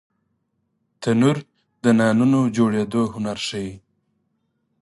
تنور د نانونو جوړېدو هنر ښيي